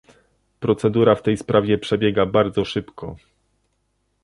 Procedura w tej sprawie przebiega bardzo szybko